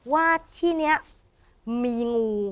ว่าที่นี้มีงู